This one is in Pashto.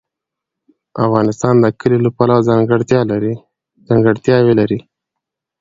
افغانستان د کلیو له پلوه ځانګړتیاوې لري.